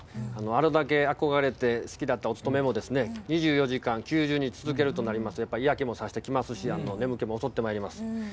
あれだけ憧れて好きだったお勤めも２４時間９０日勤めるとなると嫌気も差してきますし眠気も襲ってまいります。